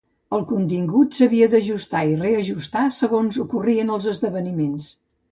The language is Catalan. El contingut s’havia d’ajustar i reajustar segons ocorrien els esdeveniments.